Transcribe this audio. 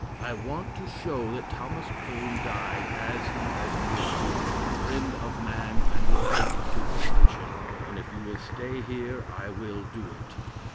I want to show that Thomas Paine died as he has lived, a friend of man and without superstition, and if you will stay here I will do it.